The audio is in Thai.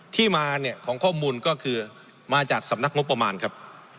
ที่มาเนี่ยของข้อมูลก็คือมาจากสำนักงบประมาณครับ